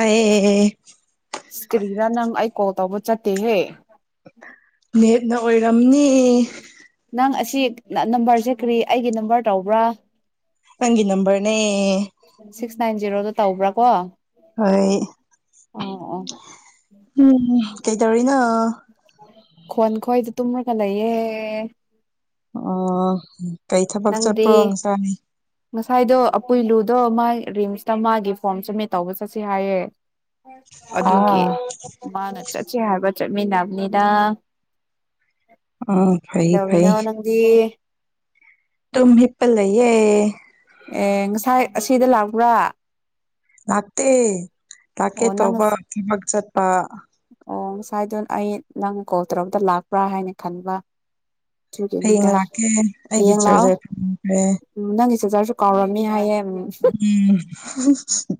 ꯑꯑꯦꯑꯦꯑꯦ ꯆꯠꯇ꯭ꯔꯤꯅ ꯅꯪ ꯑꯩ ꯀꯣꯜ ꯇꯧꯕ ꯆꯠꯇꯦꯍꯦ [inaudible] ꯔꯝꯅꯤ ꯅꯪ ꯑꯁꯤ ꯅꯝꯕꯔꯁꯦ ꯀꯔꯤ ꯑꯩꯒꯤ ꯅꯝꯕꯔ ꯇꯧꯕ꯭ꯔꯥ ꯅꯪꯒꯤ ꯅꯝꯕꯔꯅꯦ ꯁꯤꯁ ꯅꯥꯏꯟ ꯖꯦꯔꯣꯗꯣ ꯇꯧꯕ꯭ꯔꯥ ꯀꯣ ꯍꯣꯏ ꯑꯣ ꯎꯝ ꯀꯩꯇꯧꯔꯤꯅꯣ ꯈꯣꯟ ꯈꯣꯏꯗ ꯇꯨꯝꯃꯒ ꯂꯩꯌꯦ ꯑꯥ ꯀꯩ ꯊꯕꯛ ꯅꯪꯗꯤ ꯆꯠꯄ꯭ꯔꯣ ꯉꯁꯥꯏ ꯉꯁꯥꯏꯗꯣ ꯑꯄꯨꯏꯂꯨꯗꯣ ꯃꯥꯥꯏ ꯔꯤꯝꯁꯇ ꯃꯥꯒꯤ ꯐꯣꯔꯝ ꯁꯃꯤꯠ ꯇꯧꯕ ꯆꯠꯁꯤ ꯍꯥꯏꯌꯦ ꯑꯗꯨꯒꯤ ꯑꯥ ꯃꯥꯅ ꯆꯠꯁꯦ ꯍꯥꯏꯕ ꯆꯠ ꯃꯤꯅꯥꯝꯅꯦꯗ ꯑ ꯐꯩꯌꯦ ꯐꯩꯌꯦ ꯇꯨꯝ ꯍꯤꯞꯄ ꯂꯩꯌꯦ ꯑꯦ ꯉꯁꯥꯏ ꯑꯁꯤꯗ ꯂꯥꯛꯄ꯭ꯔꯥ ꯂꯥꯛꯇꯦ ꯂꯥꯛꯀꯦ ꯑꯣ ꯅꯪ ꯇꯧꯕ ꯊꯕꯛ ꯆꯠꯄ ꯁꯋꯥꯏꯗꯅ ꯑꯩ ꯅꯪꯅ ꯀꯣꯜ ꯇꯧꯔꯔꯕꯗ ꯂꯥꯛꯄ꯭ꯔꯥ ꯍꯥꯏꯅ ꯈꯟꯕ ꯑꯗꯨꯒꯤꯅꯤꯗ ꯍꯌꯦꯡ ꯂꯥꯛꯀꯦ ꯑꯩꯒꯤ ꯍꯌꯦꯡ ꯂꯥꯛꯑꯣ ꯆꯥꯔꯖꯔ ꯎꯝ ꯅꯪ ꯆꯖꯔꯁꯨ ꯀꯥꯎꯔꯝꯃꯤ ꯍꯥꯏꯌꯦ ꯎꯝ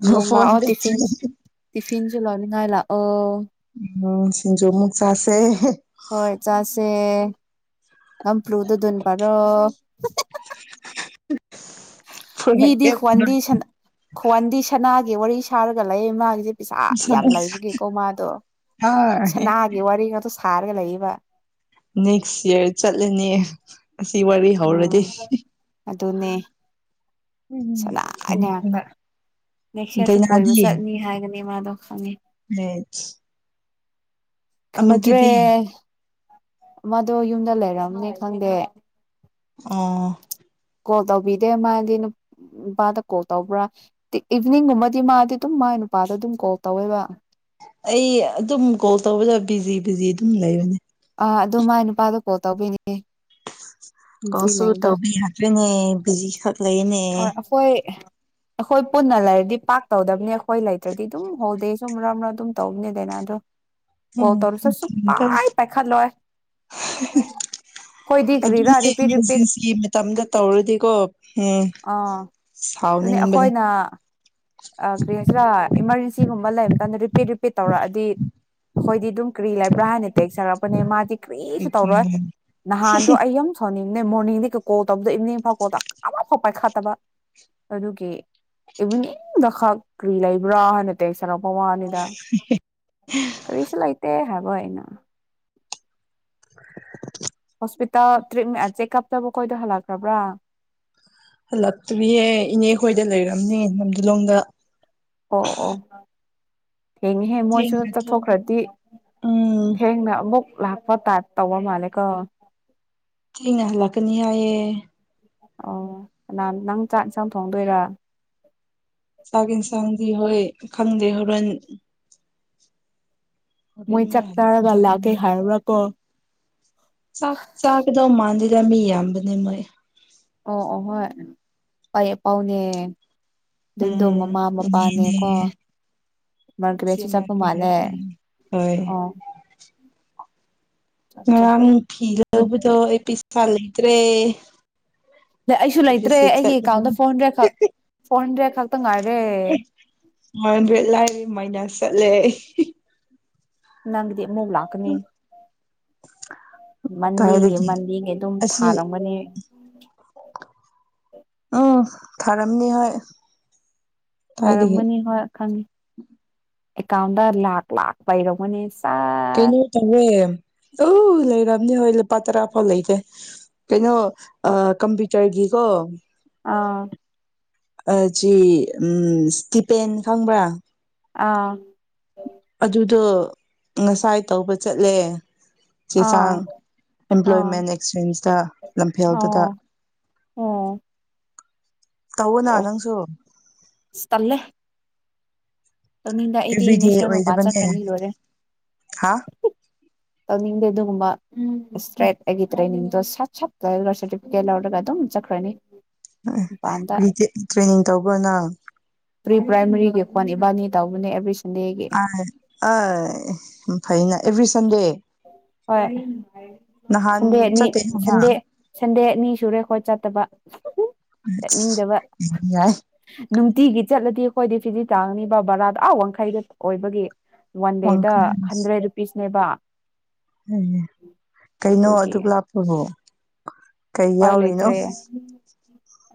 ꯎꯝ ꯌꯦꯡ ꯐꯣꯟꯣꯟ ꯂꯥꯛꯑꯣ ꯄꯦ ꯇꯤꯐꯤꯟ ꯑꯣ ꯎ ꯁꯤꯖꯣꯃꯨꯛ ꯆꯥꯁꯦ ꯍꯣꯏ ꯆꯥꯁꯦ ꯍꯝ ꯐ꯭ꯂꯨꯗ ꯗꯨꯟꯄꯔꯣ ꯃꯤꯗꯤ ꯄꯨꯔꯛꯀꯦ ꯈꯨ꯭ꯋꯥꯟꯗꯤ ꯄꯨꯔꯛꯀꯦ ꯁꯅꯥ ꯈꯨ꯭ꯋꯥꯟꯗꯤ ꯁꯅꯥ ꯋꯥꯔꯤ ꯁꯔꯒ ꯂꯩ ꯃꯥꯒꯤꯖꯤ ꯄꯩꯁꯥ ꯌꯥꯝ ꯂꯩꯕꯒꯤ ꯀꯣꯃꯗꯣ ꯁꯅꯥꯒꯤ ꯋꯥꯔꯤꯒꯥꯗꯣ ꯈꯥꯔꯒ ꯂꯩꯌꯦꯕ ꯅꯦꯛꯁ ꯏꯌꯔ ꯆꯠꯂꯅꯤ ꯑꯁꯤ ꯁꯤ ꯋꯥꯔꯤ ꯍꯧꯔꯗꯤ ꯎꯝ ꯑꯗꯨꯅꯦ ꯎꯝ ꯁꯥꯅ ꯐꯩ ꯐꯩ ꯉꯥꯛꯇ ꯅꯦꯛꯁꯌꯥꯔꯁꯨ ꯀꯣꯏꯕ ꯆꯠꯅꯤ ꯍꯥꯏꯒꯅꯤ ꯃꯥꯗꯣ ꯈꯪꯉꯦ ꯕꯦꯂꯁ ꯈꯪꯗ꯭ꯔꯦ ꯑꯃꯗꯣ ꯌꯨꯝꯗ ꯂꯩꯔꯝꯅꯦ ꯈꯪꯗꯦ ꯑꯥ ꯀꯣꯜ ꯇꯧꯕꯤꯗꯦ ꯃꯥꯗꯤ ꯅꯨꯄꯥꯗ ꯀꯣꯜ ꯇꯧꯕ꯭ꯔꯥ ꯏꯚꯅꯤꯡꯒꯨꯝꯕꯗꯤ ꯃꯥꯗꯤ ꯑꯗꯨꯝ ꯃꯥ ꯅꯨꯄꯥꯗ ꯑꯗꯨꯝ ꯀꯣꯜ ꯇꯧꯋꯦꯕ ꯑꯩ ꯑꯗꯨꯝ ꯀꯣꯜ ꯇꯧꯕꯗ ꯕꯤꯖꯤ ꯕꯤꯖꯤ ꯑꯗꯨꯝ ꯂꯩꯕꯅꯦ ꯑꯥ ꯑꯗꯨ ꯃꯥꯏ ꯅꯨꯄꯥꯗꯣ ꯀꯣꯜ ꯇꯧꯕꯤꯅꯤ ꯀꯣꯜꯁꯨ ꯇꯕꯤ ꯍꯥꯆꯦꯞꯄꯦꯅꯦ ꯍꯣꯏ ꯑꯩꯈꯣꯏ ꯑꯩꯈꯣꯏ ꯄꯨꯟꯅ ꯂꯩꯔꯗꯤ ꯄꯥꯛ ꯇꯧꯗꯕꯅꯤ ꯑꯩꯈꯣꯏ ꯂꯩꯇ꯭ꯔꯗꯤ ꯑꯗꯨꯝ ꯍꯣꯜꯗꯦ ꯁꯨ ꯃꯔꯛ ꯃꯔꯛ ꯑꯗꯨꯝ ꯇꯧꯕꯅꯦ ꯗꯩꯅꯥꯗꯣ ꯎꯝ ꯄꯥꯏꯈꯠꯂꯣꯏ ꯑꯩꯈꯣꯏꯗꯤ ꯀ꯭ꯔꯤꯔꯥ ꯑꯗꯨꯅꯦ ꯔꯤꯄꯤꯠ ꯔꯤꯄꯤꯠ ꯏꯃꯥꯔꯖꯦꯟꯁꯤ ꯃꯇꯝꯗ ꯇꯧꯔꯗꯤꯀꯣ ꯎꯝ ꯑꯥ ꯁꯥꯎꯅꯤꯡꯕꯅꯤ ꯑ ꯀ꯭ꯔꯤ ꯍꯥꯏꯁꯤꯔ ꯏꯃꯔꯖꯦꯟꯁꯤ ꯁꯤꯒꯨꯝꯕ ꯂꯩꯔꯝꯇꯗ ꯔꯤꯄꯤꯠ ꯔꯤꯄꯤꯠ ꯇꯧꯔꯛꯑꯗꯤ ꯑꯩꯈꯣꯏꯗꯤ ꯑꯗꯨꯝ ꯀ꯭ꯔꯤ ꯂꯩꯥꯕ꯭ꯔ ꯍꯥꯢꯅ ꯇꯦꯛꯁ ꯊꯥꯔꯛ ꯃꯥꯅꯦ ꯃꯥꯗꯤ ꯀꯔꯤꯁꯨ ꯇꯧꯔꯣꯏ ꯅꯍꯥꯟꯗꯣ ꯑꯩ ꯌꯝ ꯁꯧꯅꯤꯡ ꯃꯣꯔꯅꯤꯡꯗꯒꯤ ꯀꯣꯜ ꯇꯧꯕꯗꯣ ꯏꯚꯤꯅꯤꯡ ꯐꯥꯎ ꯀꯣꯜ ꯇꯧ ꯑꯃꯛ ꯐꯥꯎ ꯄꯥꯏꯈꯥꯠꯇꯕ ꯑꯗꯨꯒꯤ ꯏꯚꯤꯅꯤꯡꯗ ꯈꯛ ꯀꯔꯤ ꯂꯩꯕ꯭ꯔꯥ ꯍꯥꯏꯅ ꯇꯦꯛꯁ ꯊꯔꯛꯄ ꯋꯥꯅꯤ ꯀꯔꯤꯁꯨ ꯂꯩꯇꯦ ꯍꯥꯏ ꯋꯥꯏꯅ [unintelligible] ꯍꯣꯁꯄꯤꯇꯥꯜ ꯇꯔꯤꯃꯦꯠ ꯆꯦꯛꯀꯞ ꯇꯕꯨ ꯀꯣꯏꯗ ꯍꯜꯂꯛꯈ꯭ꯔꯕ꯭ꯔꯥ ꯍꯜꯂꯛꯇ꯭ꯔꯤꯌꯦ ꯏꯅꯦ ꯍꯣꯏꯗ ꯂꯩꯔꯝꯅꯦ ꯂꯝꯗꯤꯂꯣꯡꯗ ꯑꯣ ꯑꯣ ꯊꯦꯡꯉꯤꯍꯦ ꯃꯣꯏꯁꯨ ꯊꯦꯡꯅ ꯊꯣꯛ ꯇꯠꯊꯣꯛꯈ꯭ꯔꯗꯤ ꯎꯝ ꯊꯦꯡꯅ ꯑꯃꯨꯛ ꯂꯥꯛꯄ ꯇꯥꯢꯞ ꯇꯧꯕ ꯃꯥꯜꯂꯦ ꯀꯣ ꯊꯦꯡꯅ ꯍꯜꯂꯛꯀꯅꯤ ꯍꯥꯏꯌꯦ ꯑꯣ ꯀꯅꯥ ꯅꯪ ꯆꯥꯛ ꯌꯦꯟꯁꯥꯡ ꯊꯣꯡꯗꯣꯏꯔ ꯆꯥꯛ ꯏꯟꯁꯥꯡꯗꯤ ꯍꯣꯏ ꯈꯪꯗꯦ ꯍꯣꯔꯦꯟ ꯍꯣꯔꯦꯟ ꯃꯣꯏ ꯍꯜꯂꯛꯄ ꯆꯥꯛꯆꯥꯔꯒ ꯂꯥꯛ ꯆꯥꯛꯅꯤ ꯀꯩ ꯍꯥꯏꯔ꯭ꯔꯀꯣ ꯆꯥꯛ ꯆꯥꯛꯒꯗꯧ ꯃꯟꯗꯦꯗ ꯃꯤ ꯌꯥꯕꯅꯦ ꯄꯌꯦ ꯄꯥꯎꯅꯦ ꯑꯗꯨꯝꯗꯣ ꯎꯝ ꯃꯃꯥ ꯏꯅꯦꯅꯦ ꯃꯄꯥꯅꯦꯀꯣ ꯃꯔ ꯏꯆꯦ ꯀ꯭ꯔꯦꯠꯁꯨ ꯆꯠꯄ ꯃꯥꯏꯕ ꯃꯥꯜꯂꯦ ꯍꯣꯏ ꯑꯥ ꯉꯔꯥꯡ ꯊꯤꯒꯗꯧꯗꯣ ꯑꯦꯌꯄꯤꯁ ꯂꯩꯇꯔꯦ ꯑꯩꯁꯨ ꯂꯩꯇ꯭ꯔꯦ ꯑꯩꯒꯤ ꯑꯦꯀꯥꯎꯟꯗ ꯐꯣꯔ ꯍꯟꯗ꯭ꯔꯦꯗ ꯈꯛ ꯐꯣꯔ ꯍꯟꯗ꯭ꯔꯦꯗ ꯈꯛꯇ ꯉꯥꯏꯔꯦ [unintelligible] ꯂꯥꯏꯔꯤ ꯃꯥꯏꯅꯥꯁ ꯆꯠꯂꯦ ꯅꯪ ꯑꯃꯨꯛ ꯂꯥꯛꯀꯅꯤ ꯃꯟꯗꯤꯒꯤ ꯀꯥꯏꯗꯒꯤ ꯃꯟꯗꯤꯒꯤ ꯑꯗꯨꯝ ꯑꯁꯤ ꯊꯥꯔꯒꯅꯦ ꯎꯝ ꯊꯥꯔꯝꯅꯤ ꯍꯣꯏ ꯀꯥꯏꯗꯒꯤ ꯊꯥꯔꯝꯃꯅꯤ ꯍꯣꯏ ꯈꯪꯉꯤ ꯑꯦꯀꯥꯎꯟꯗ ꯂꯥꯛꯈ ꯂꯥꯛꯈ ꯄꯥꯏꯔꯝꯅꯦ ꯁꯥ ꯀꯩꯅꯣ ꯇꯧꯔꯦ ꯎ ꯂꯩꯝꯅꯤ ꯍꯣꯏ ꯂꯨꯄꯥ ꯇꯔꯥ ꯐꯥꯎ ꯂꯩꯇꯦ ꯀꯩꯅꯣ ꯍꯣꯏ ꯑꯥ ꯀꯝꯄꯔꯨꯇꯔꯒꯤ ꯀꯣ ꯑꯥ ꯁꯤ ꯎ ꯏꯁꯇꯤꯄꯦꯟ ꯈꯪꯕ꯭ꯔꯥ ꯑꯥ ꯑꯗꯨꯗꯣ ꯉꯁꯥꯏ ꯇꯧꯕ ꯆꯠꯂꯦ ꯆꯦ ꯑꯥ ꯆꯥꯡ ꯑꯥ ꯑꯦꯝꯄ꯭ꯂꯣꯏꯃꯦꯟ ꯑꯦꯛꯆꯦꯟꯖꯇ ꯂꯝꯐꯦꯜꯗꯨꯗ ꯑꯣ ꯑꯣ ꯇꯧꯑꯣꯅ ꯑꯣ ꯅꯪꯁꯨ ꯇꯧꯅꯤꯗ ꯑꯩꯗꯤ ꯑꯦꯕ꯭ꯔꯤꯗꯦ ꯅꯦꯛꯁ ꯌꯔ ꯃꯄꯥꯟ ꯑꯣꯏꯗꯕꯅꯦ ꯆꯠꯈ꯭ꯔꯅꯤ ꯂꯣꯏꯔꯦ ꯍꯥ ꯇꯅꯤꯡꯗꯦ ꯑꯗꯨꯒꯒꯨꯝꯕ ꯎꯝ ꯍꯁ꯭ꯔꯥꯏ ꯍꯥꯏꯗ꯭ꯔꯦꯅꯤ [unintelligible] ꯁꯠ ꯁꯠ ꯇꯎꯔꯥ ꯁꯥꯔꯇꯤꯐꯤꯀꯦꯠ ꯂꯧꯔꯒ ꯑꯗꯨꯝ ꯆꯠꯈ꯭ꯔꯅꯤ ꯃꯄꯥꯟꯗ ꯇ꯭ꯔꯦꯅꯤꯡ ꯇꯧꯕꯅꯪ ꯄꯔꯤ ꯄ꯭ꯔꯥꯏꯃꯔꯤꯒꯤ [unintelligible] ꯏꯕꯅꯤ ꯇꯧꯅꯦ ꯑꯗꯨꯁꯨ ꯐꯩꯅ ꯑꯦꯚ꯭ꯔꯤ ꯁꯟꯗꯦ ꯍꯣꯏ ꯅꯍꯥꯟ ꯁꯟꯗꯦ ꯑꯅꯤ ꯆꯠꯇꯦ ꯍꯥꯏꯅ ꯁꯟꯗꯦ ꯁꯟꯗꯦ ꯑꯅꯤ ꯁꯨꯔꯦ ꯈꯣꯏ ꯆꯠꯇꯕ ꯆꯠꯅꯤꯡꯗꯕ ꯌꯥꯏ ꯅꯨꯡꯇꯤꯒꯤ ꯆꯠꯂꯗꯤ ꯑꯩꯈꯣꯏꯗꯤ ꯐꯤꯖꯤ ꯇꯥꯡꯉꯅꯤ ꯕ ꯕꯔꯥꯗꯣ ꯑꯥ ꯋꯥꯡꯈꯩꯗ ꯑꯣꯏꯕꯒꯤ ꯋꯥꯟ ꯗꯦ ꯗ ꯍꯟꯗ꯭ꯔꯦꯠ ꯔꯨꯄꯤꯁ ꯅꯦꯕ ꯎꯝ ꯀꯩꯅꯣ ꯑꯗꯨꯒꯤ ꯑꯗꯨꯛ ꯂꯥꯞꯄꯕꯣ ꯀꯩ ꯎꯄꯥꯏ ꯌꯥꯎꯔꯤꯅꯣ ꯂꯩꯇ꯭ꯔꯦ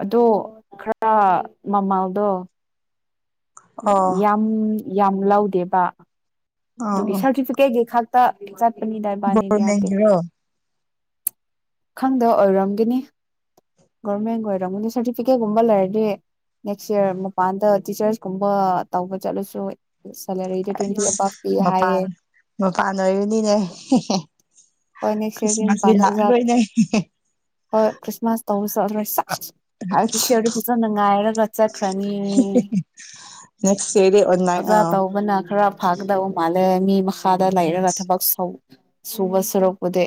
ꯑꯗꯣ ꯈꯔ ꯃꯃꯜꯗꯣ ꯑꯣ ꯌꯥꯝ ꯌꯥꯝ ꯂꯧꯗꯦꯕ ꯑ ꯗꯨꯒꯤ ꯑ ꯁꯔꯇꯤꯐꯤꯀꯦꯠꯀꯤ ꯈꯛ ꯇ ꯆꯠ ꯄꯤꯅꯤꯗꯥ ꯏꯕꯥꯅꯤꯗꯤ ꯌꯥꯎꯗꯦ ꯒꯣꯔꯃꯦꯟꯒꯤꯔꯣ ꯈꯪꯗ ꯑꯣꯏꯔꯝꯒꯤꯅꯤ ꯒꯣꯔꯃꯦꯟꯒ ꯑꯣꯏꯔꯝꯒꯅꯤ ꯁꯥꯔꯇꯤꯐꯤꯀꯦꯠꯀꯨꯝꯕ ꯂꯩꯔꯗꯤ ꯅꯦꯛꯁ ꯏꯌꯥꯔ ꯃꯄꯥꯟꯗ ꯇꯤꯆꯔꯁ ꯀꯨꯝꯕ ꯇꯧꯕ ꯆꯠꯂꯁꯨ ꯁꯦꯂꯔꯤꯗ ꯇꯋꯦꯟꯇꯤ ꯇꯨ ꯑꯁ ꯑꯚꯞ ꯃꯄꯥꯟ ꯃꯄꯥꯟ ꯑꯣꯏꯔꯤꯕꯅꯤꯅꯦ ꯍꯣꯏ ꯅꯦꯛꯁ ꯏꯔꯗꯤ ꯃꯄꯥꯟꯗ ꯑꯣꯖꯠ ꯂꯥꯛꯑꯔꯣꯏꯅꯦ ꯍꯣꯏ ꯈ꯭ꯔꯤꯁꯃꯥꯁ ꯇꯧꯖꯔꯦꯆꯥ ꯏꯁꯣꯔꯗꯨ ꯐꯖꯅ ꯉꯥꯏꯔꯒ ꯆꯠꯈ꯭ꯔꯅꯤ ꯅꯦꯛꯁ ꯌꯔꯗꯤ ꯑꯣꯟꯂꯥꯏꯟ ꯑ ꯑꯣꯖꯥ ꯇꯧꯕꯅ ꯈꯔ ꯐꯥꯒꯗꯧ ꯃꯥꯜꯂꯦ ꯃꯤ ꯃꯈꯥꯗ ꯂꯩꯥꯏꯔꯒ ꯊꯕꯛ ꯁꯧ ꯁꯨꯕꯁ ꯁꯔꯨꯛꯄꯨꯗꯤ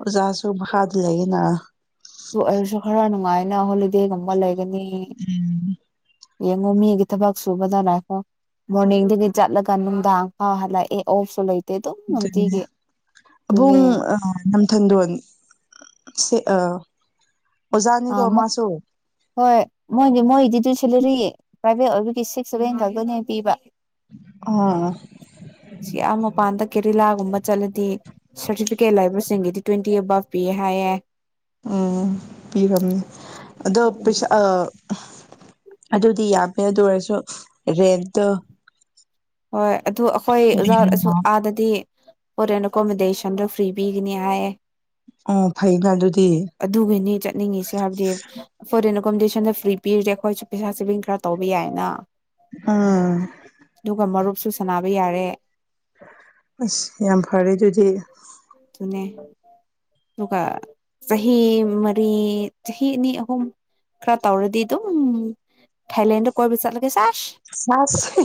ꯑꯣꯖꯥꯁꯨ ꯃꯈꯥꯗ ꯂꯩꯑꯦꯅ ꯗꯨ ꯑꯣꯏꯔꯁꯨ ꯈꯔ ꯅꯨꯡꯉꯥꯏ ꯅꯍꯣꯜꯂꯤꯗꯦ ꯒꯨꯝꯕ ꯂꯩ ꯒꯅꯤ ꯎꯝ ꯌꯦꯡꯉꯣ ꯃꯤꯒꯤ ꯊꯕꯛ ꯁꯨꯕꯗ ꯂꯥꯛꯈꯣ ꯃꯣꯔꯅꯤꯡꯗꯒꯤ ꯆꯠꯂꯒ ꯅꯨꯡꯗꯥꯡ ꯐꯥꯎ ꯍꯂꯛꯑꯦ ꯑꯣꯐꯁꯨ ꯂꯩ ꯗꯨꯏꯅꯦ ꯑꯕꯨꯡ ꯑ ꯊꯟꯗꯣꯟ ꯁꯦ ꯑꯥ ꯑꯣꯖꯥꯅꯤꯀꯣ ꯑꯥ ꯃꯥꯁꯨ ꯍꯣꯏ ꯃꯣꯏꯗꯤ ꯃꯣꯏꯗꯤꯗꯨ ꯁꯦꯂꯔꯤ ꯄ꯭ꯔꯥꯏꯚꯦꯠ ꯑꯣꯏꯕꯒꯤ ꯁꯤꯛꯁ ꯁꯚꯦꯟ ꯈꯛꯇꯅꯦ ꯄꯤꯕ ꯑꯣ ꯁꯤꯌꯥ ꯃꯄꯥꯟꯗ ꯀꯦꯔꯤ ꯂꯥ ꯨꯒꯨꯝꯕ ꯆꯠꯂꯗꯤ ꯁꯥꯔꯇꯤꯐꯤꯀꯦꯠ ꯂꯩꯕꯁꯤꯡꯒꯤꯗꯤ ꯇ꯭ꯋꯦꯟꯇꯤ ꯑꯕꯥꯞ ꯄꯤꯌꯦ ꯍꯥꯏꯌꯦ [inaudible] ꯄꯤꯔꯝꯅꯦ ꯑꯗꯣ ꯄꯩꯁꯥ ꯑꯗꯨꯗꯤ ꯌꯥꯝꯃꯦ ꯑꯗꯨ ꯑꯣꯏꯔꯁꯨ ꯔꯦꯠꯇ ꯍꯣꯏ ꯑꯗꯨ ꯑꯩꯈꯣꯏ ꯑꯣꯖꯥꯁꯨ ꯔꯦꯟꯅ ꯑꯥꯗꯗꯤ ꯐꯣꯔꯅ ꯑꯦꯀꯣꯃꯤꯣꯗꯦꯁꯟꯗ ꯐꯤꯔꯤꯕꯤ ꯀꯅꯤꯌꯥꯌꯦ ꯑꯣ ꯐꯩꯅ ꯑꯗꯨꯗꯤ ꯑꯗꯨꯒꯤꯅꯤ ꯆꯠꯅꯤꯡꯉꯤꯁꯦ ꯍꯥꯏꯕꯗꯤ ꯐꯣꯔ ꯀꯀꯣꯝꯄꯤꯗꯤꯁꯟꯗ ꯐ꯭ꯔꯤ ꯄꯤꯔꯤꯗꯦ ꯑꯩꯈꯣꯏꯁꯨ ꯄꯩꯁꯥ ꯁꯦꯚꯤꯡ ꯈꯔ ꯇꯧꯕ ꯌꯥꯏꯅ ꯑꯥ ꯑꯗꯨꯒ ꯃꯔꯨꯞꯁꯨ ꯁ ꯍꯥꯏꯕ ꯌꯥꯔꯦ ꯑꯁ ꯌꯥꯝ ꯐꯥꯔꯦꯁꯨꯖꯤꯦ ꯑꯗꯨꯅꯦ ꯑꯗꯨꯒ ꯆꯍꯤ ꯃꯔꯤ ꯆꯍꯤ ꯑꯅꯤ ꯑꯍꯨꯝ ꯈꯔ ꯇꯧꯔꯗꯤ ꯑꯗꯨꯝ ꯊꯥꯏꯂꯦꯟꯗ ꯀꯣꯏꯕ ꯆꯠꯂꯒꯦ ꯁꯥꯔꯁ ꯁꯥꯁꯤ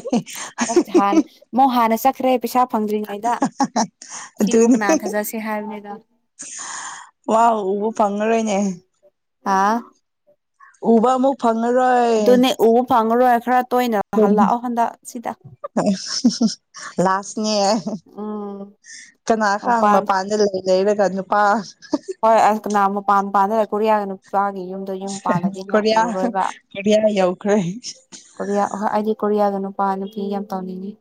ꯈꯔꯦ ꯄꯩꯥꯁꯥ ꯐꯪꯗ꯭ꯔꯤꯉꯩꯗ ꯁꯤꯗꯕꯨ ꯑꯗꯨꯅꯦ ꯀꯅꯥ ꯋꯥ ꯎꯕ ꯐꯪꯉꯔꯣꯏꯅꯦ ꯍꯥꯥ ꯎꯕ ꯑꯃꯨ ꯑꯗꯨꯅ ꯎ ꯐꯥꯪꯣ ꯊ꯭ꯔꯠ ꯇꯣꯏꯅ ꯂꯥꯛꯑꯣ ꯍꯟꯗꯛ ꯁꯤꯗ ꯂꯥꯁꯅꯦ ꯎꯝ ꯀꯅꯥꯒꯥꯡ ꯃꯄꯥꯟ ꯃꯄꯥꯟꯗ ꯂꯩ ꯂꯩꯩꯅ ꯀꯖ ꯄꯄꯥ ꯍꯣꯏ ꯑꯗꯨ ꯅ ꯄꯝ ꯄꯥꯟꯗ ꯈꯨꯔꯤꯌꯥꯒ ꯅꯨ ꯌꯨꯝꯗꯣ ꯌꯨꯝ ꯄꯥꯟꯗꯗꯤ ꯅꯣ ꯀꯣꯔꯤꯌꯥ ꯎꯔꯔꯣꯏꯕ ꯀꯣꯔꯤꯌꯥ ꯌꯧꯈ꯭ꯔꯦ ꯀꯣꯔꯤꯌꯥꯣꯏ ꯑꯩꯗꯤ ꯀꯣꯔꯤꯌꯥꯗꯅ ꯄꯅ ꯄꯤ ꯌꯥꯝ ꯇꯧꯅꯤꯡꯉꯤ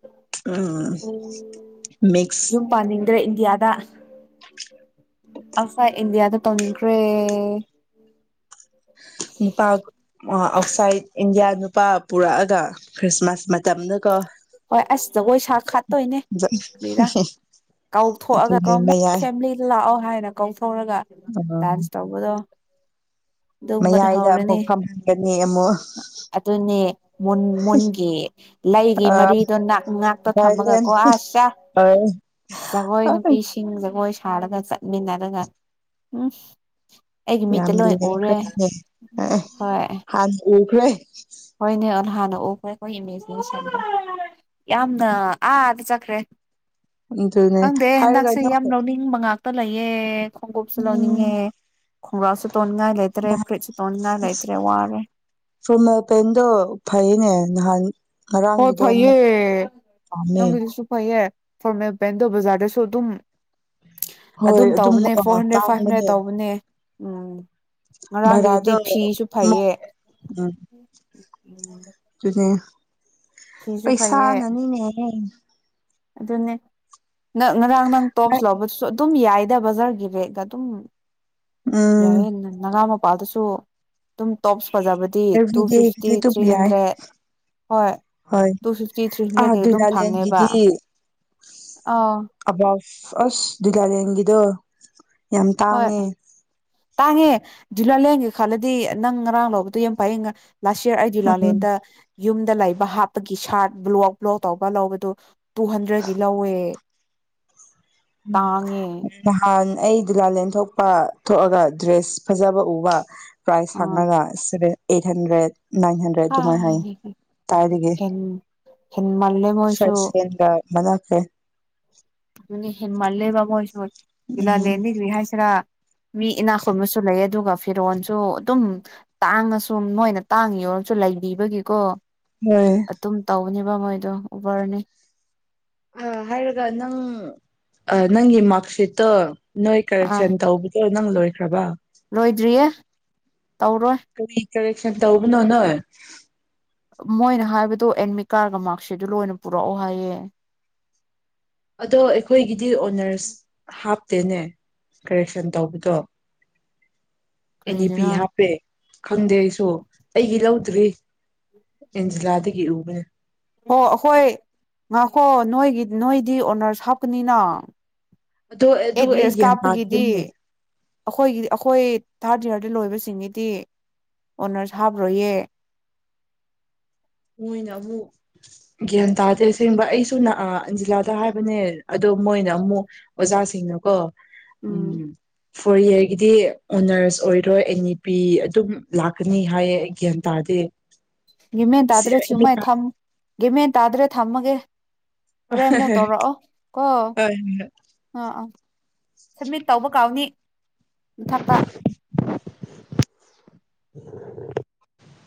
ꯎꯝ ꯃꯛꯁ ꯑꯗꯨꯗ꯭ꯔ ꯏꯟꯗꯤꯌꯥꯗ ꯑꯁꯥꯏ ꯏꯟꯗꯤꯌꯥꯗ ꯇꯧꯅꯤꯡꯈ꯭ꯔꯦ ꯅꯨꯄꯥ ꯑꯥꯎꯠꯁꯥꯏꯠ ꯏꯟꯗꯤꯌꯥ ꯅꯨꯄꯥ ꯄꯨꯔꯛꯑꯒ ꯈ꯭ꯔꯤꯁꯃꯥꯁ ꯃꯇꯝꯗꯒ ꯍꯣꯏ ꯑꯁꯤꯁꯗꯒꯣꯏ ꯁꯥ ꯈꯠꯇꯣꯏꯅꯦ ꯀꯔꯤꯔꯥ ꯀꯥꯎꯊꯣꯛꯑꯒ ꯑꯗꯨꯅꯦ ꯀꯣꯏ ꯃꯌꯥꯏ ꯐꯦꯃꯤꯂꯤꯗ ꯂꯥꯛꯑꯣ ꯍꯥꯏ ꯀ ꯊꯔꯒ ꯗꯥꯟꯁ ꯎꯝ ꯇꯧꯕꯗꯣ ꯑꯗꯨꯒꯕꯗ ꯃꯌꯥꯏꯗ ꯍꯧꯔꯅꯦ ꯑꯃꯨꯛ ꯐꯝꯍꯟꯒꯅꯤ ꯑꯃꯨꯛ ꯑꯗꯨꯅꯦ ꯃꯟ ꯃꯨꯟꯒꯤ ꯂꯩꯒꯤ ꯔꯤꯗꯣ ꯅꯥꯛ ꯉꯥꯛꯇꯣ ꯚꯥꯏꯂꯦꯟ ꯊꯝꯃꯒꯀꯣ ꯑꯁ ꯁꯥ ꯖꯒꯣꯏ ꯑꯣꯏ ꯅꯨꯄꯤꯁꯤꯡ ꯖꯒꯣꯏ ꯊꯥꯔꯒ ꯆꯠꯃꯤꯟꯅꯔꯒ ꯎꯝ ꯑꯩꯒꯤ ꯃꯤꯠꯇ ꯌꯥꯝ ꯂꯣꯏ ꯎꯔꯦ ꯂꯦꯝꯈ꯭ꯔꯝꯅꯤꯅꯦ ꯑꯦ ꯍꯣꯏ ꯍꯥꯟꯅ ꯎ ꯍꯦ ꯍꯣꯏꯅꯦ ꯑꯅ ꯑꯗꯨꯅ ꯍꯥꯟꯅ ꯎꯈ꯭ꯔꯦ ꯑꯩꯈꯣꯏ ꯏꯃꯦꯖꯤꯅꯦꯁꯟꯗ ꯌꯥꯝꯅ ꯑꯥꯗ ꯆꯠꯈ꯭ꯔꯦ ꯑꯗꯨꯅꯦ ꯍꯥꯏꯔꯒ ꯇ ꯂꯩꯌꯦ ꯈꯣꯡꯒꯨꯞꯁꯨ ꯂꯧꯅꯤꯡꯉꯦ ꯎꯝ ꯈꯣꯡꯒ꯭ꯔꯥꯁꯨ ꯇꯣꯡꯅꯤꯡꯉꯥꯏ ꯂꯩꯇ꯭ꯔꯦ ꯐꯨꯔꯤꯠꯁꯨ ꯇꯣꯡꯅꯤꯡꯉꯥꯏ ꯂꯩꯇ꯭ꯔꯦ ꯋꯥꯔꯦ ꯇꫭꯟꯗꯣ ꯐꯩꯏꯅꯦ ꯅꯍꯥ ꯑꯟ ꯍꯣꯏ ꯐꯩꯌꯦ ꯄꯥꯝꯃꯦ ꯅꯪꯒꯗꯤꯁꯨꯁꯨ ꯐꯩꯌꯦ ꯐꫭꯔꯃꯦꯜ ꯄꯦꯟꯗꯣ ꯕꯖꯥꯔꯗꯁꯨ ꯑꯗꯨꯝ ꯑꯗꯨꯝ ꯇꯧꯕꯅꯦ ꯐꯣꯔ ꯍꯟꯗ꯭ꯔꯦꯠ ꯐꯥꯏꯚ ꯍꯟꯗ꯭ꯔꯦꯠ ꯇꯧꯕꯅꯦ ꯎꯝ ꯉꯔꯥꯡꯒꯤꯗꯨꯗꯤ ꯚꯔꯥꯗꫭ ꯐꯤꯁꯨ ꯎꯝ ꯐꯩꯌꯦ ꯎꯝ ꯗꯨꯅꯦ ꯐꯤꯁꯨ ꯄꯩꯁꯥ ꯐꯩꯌꯦ ꯅꯅꯤꯅꯦꯍꯦ ꯑꯗꯨꯅꯦ ꯅꯪ ꯉꯔꯥꯡ ꯅꯪ ꯇꯣꯞꯁ ꯂꯧꯕꯗꯨꯁꯨ ꯑꯗꯨꯝ ꯌꯥꯏꯗ ꯕꯖꯥꯔꯒꯤ ꯕꯦꯒ ꯑꯗꯨꯝ ꯎꯝ ꯌꯥꯏꯌꯦꯅ ꯅꯅꯥꯎꯅꯨ ꯃꯄꯥꯗꯁꯨ ꯑꯗꯨꯝ ꯇꯣꯞꯁ ꯐꯖꯕꯗꯤ ꯇꯨ ꯐꯤꯐꯇꯤ ꯑꯦꯕ꯭ꯔꯤꯗꯦꯒꯤꯗꯤ ꯑꯗꯨꯝ ꯊ꯭ꯔꯤ ꯌꯥꯏ ꯍꯟꯗ꯭ꯔꯦꯠ ꯍꯣꯏ ꯍꯣꯏ ꯇꯨ ꯐꯤꯐꯇꯤ ꯊ꯭ꯔꯤ ꯑꯥ ꯍꯟꯗ꯭ꯔꯦꯗꯒꯤ ꯑꯗꯨꯝ ꯐꯪꯉꯦꯕ ꯗꯨꯂꯥꯂꯦꯟꯒꯤꯗꯤ ꯑꯥ ꯑꯁ ꯑꯁ ꯗꯨꯂꯥꯂꯦꯟꯒꯤꯗꫭ ꯌꯥꯝ ꯍꯣꯏ ꯇꯥꯡꯉꯦ ꯇꯥꯡꯉꯦ ꯗꯨꯂꯥꯂꯦꯟꯒꯤ ꯈꯜꯂꯗꯤ ꯅꯪ ꯉꯔꯥꯡ ꯂꯧꯕꯗꯣ ꯌꯥꯝ ꯐꯩ ꯂꯥꯁ ꯌꯔ ꯑꯩ ꯎꯝ ꯗꯨꯂꯥꯂꯦꯟꯗ ꯌꯨꯝꯗ ꯂꯩꯕ ꯍꯥꯞꯄꯒꯤ ꯁꯥꯔꯠ ꯕ꯭ꯂꯣꯛ ꯕ꯭ꯂꯣꯛ ꯇꯧꯕ ꯂꯧꯕꯗꯨ ꯇꯨ ꯍꯟꯗ꯭ꯔꯦꯗꯀꯤ ꯂꯧꯋꯦ ꯎꯝ ꯇꯥꯡꯉꯦ ꯅꯍꯥꯟ ꯑꯩ ꯗꯨꯂꯥꯂꯦꯟ ꯊꯣꯛꯄ ꯊꯣꯛꯑꯒ ꯗ꯭ꯔꯦꯁ ꯐꯖꯕ ꯎꯕ ꯄ꯭ꯔꯥꯏꯁ ꯑꯥ ꯍꯪꯉꯒ seven eight hundred nine hundred ꯑꯗꯨꯃꯥꯏꯅ ꯍꯥꯏ ꯇꯥꯏꯕꯒꯤ ꯍꯦꯟ ꯍꯦꯟꯃꯜꯂꯦ ꯃꯣꯏꯁꯨ ꯃꯂꯀꯦ ꯑꯗꯨꯅꯦ ꯍꯦꯟ ꯃꯜꯂꯦꯕꯥ ꯃꯣꯏꯁꯨ ꯎꯝ ꯏꯂꯅꯤꯒꯔꯤ ꯍꯥꯏꯁꯤꯔ ꯃꯤ ꯏꯅꯥ ꯈꯨꯟꯕꯁꯨ ꯂꯩ ꯑꯗꯨꯒ ꯐꯤꯔꯣꯜꯁꯨ ꯑꯗꯨꯝ ꯇꯥꯡꯉꯁꯨ ꯃꯣꯏꯅ ꯇꯥꯡꯉꯤ ꯌꯧꯔꯁꯨ ꯂꯩꯕꯤꯕꯒꯤꯀꯣ ꯍꯣꯏ ꯑꯣꯅꯤꯕ ꯃꯣꯏꯗꯣ ꯎꯕꯔꯅꯤ ꯑ ꯍꯥꯏꯔꯒ ꯅꯪ ꯅꯪꯒꯤ ꯃꯥꯔꯛꯁꯤꯠꯇꯣ ꯅꯣꯏ ꯑꯥ ꯀꯔꯦꯛꯁꯟ ꯇꯧꯕꯗ ꯅꯪ ꯂꯣꯏꯈ꯭ꯔꯕ ꯂꯣꯏꯗ꯭ꯔꯤꯌꯦ ꯇꯧꯔꯣꯏ ꯀꯔꯤ ꯀꯔꯦꯛꯁꯟ ꯇꯧꯕꯅꯣ ꯅꯣꯏ ꯃꯣꯏꯅ ꯍꯥꯏꯕꯗ ꯑꯦꯗꯃꯤꯠ ꯀꯥꯔꯒ ꯃꯥꯔꯛ ꯁꯦꯠꯇ ꯑꯣꯏꯅ ꯄꯨꯔꯛꯑꯣ ꯍꯥꯏꯌꯦ ꯑꯗꯣ ꯑꯩꯈꯣꯏꯒꯤꯗꯤ ꯑꯣꯟꯅꯔꯁ ꯍꯥꯞ ꯆꯠꯇꯦꯅꯦ ꯀꯔꯦꯛꯁꯟ ꯇꯧꯕꯗꯣ ꯑꯦꯟ ꯅꯤ ꯄꯤ ꯀꯔꯤꯒꯤꯔꯥ ꯍꯥꯞꯄꯦ ꯈꯪꯗꯦ ꯑꯩꯁꯨ ꯑꯩꯒꯤ ꯂꯧꯗ꯭ꯔꯤ ꯑꯦꯟꯖꯤꯂꯥꯗꯒꯤ ꯎꯕꯅꯦ ꯑꯣ ꯑꯈꯣꯏ ꯉꯥꯛꯈꯣ ꯅꯣꯏꯒꯤ ꯅꯣꯏꯗꯤ ꯑꯣꯅꯔꯁ ꯍꯥꯞꯀꯅꯤꯅ ꯑꯗꯣ ꯑꯗꯨ ꯑꯩ ꯒꯌꯥꯟ ꯇꯥꯗꯨꯅꯦ ꯑꯩꯈꯣꯏꯒꯤꯗꯤ ꯑꯩꯈꯣꯏ ꯊꯥꯔꯠ ꯏꯌꯥꯔꯗ ꯂꯣꯏꯕꯁꯤꯡꯒꯤꯗꯤ ꯑꯣꯟꯅꯔꯁ ꯍꯥꯞꯄ꯭ꯔꯣꯌꯦ ꯃꯣꯏꯅ ꯑꯃꯨꯛ ꯒ꯭ꯌꯥꯟ ꯇꯥꯗꯦ ꯑꯁꯦꯡꯕ ꯑꯩꯁꯨꯖꯤꯂꯥꯗ ꯍꯥꯏ ꯍꯥꯏꯕꯅꯦ ꯑꯗꯣ ꯃꯣꯏꯅ ꯑꯃꯨꯛ ꯑꯣꯖꯥꯁꯤꯡꯅꯀꯣ ꯎꯝ ꯐꯣꯔ ꯏꯌꯔꯒꯤꯗꯤ ꯑꯣꯅꯔꯁ ꯑꯣꯏꯔꯣꯏ ꯑꯦꯟ ꯏ ꯄꯤ ꯑꯗꯨꯝ ꯂꯥꯛꯀꯅꯤ ꯍꯥꯏꯌꯦ ꯒ꯭ꯌꯥꯟ ꯇꯥꯗꯦ ꯃꯦꯟ ꯇꯥꯗ꯭ꯔꯦ ꯍꯣꯏ ꯊꯃ ꯊꯝ ꯒꯤ ꯃꯦꯟ ꯇꯥꯗ꯭ꯔꯦ ꯊꯝꯃꯒꯦ ꯍꯣꯔꯦꯟ ꯃꯨꯛ ꯇꯧꯔꯛꯑꯣ ꯀꯣ ꯍꯣꯏ ꯑꯥ ꯑꯥ ꯁꯝꯃꯤꯠ ꯇꯧꯕ ꯀꯥꯎꯅꯤ ꯃꯊꯛꯇ [unintelligible]